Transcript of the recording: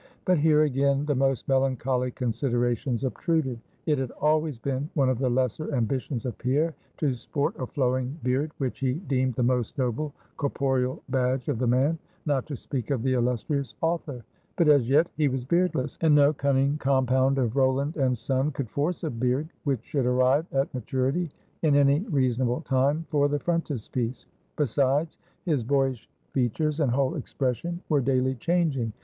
But here again the most melancholy considerations obtruded. It had always been one of the lesser ambitions of Pierre, to sport a flowing beard, which he deemed the most noble corporeal badge of the man, not to speak of the illustrious author. But as yet he was beardless; and no cunning compound of Rowland and Son could force a beard which should arrive at maturity in any reasonable time for the frontispiece. Besides, his boyish features and whole expression were daily changing.